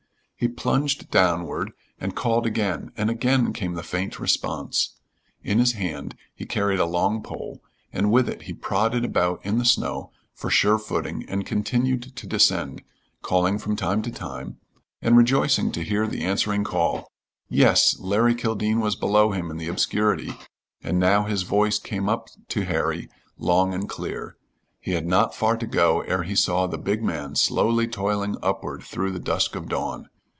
He plunged downward and called again, and again came the faint response. In his hand he carried a long pole, and with it he prodded about in the snow for sure footing and continued to descend, calling from time to time, and rejoicing to hear the answering call. Yes, Larry Kildene was below him in the obscurity, and now his voice came up to Harry, long and clear. He had not far to go ere he saw the big man slowly toiling upward through the dusk of dawn.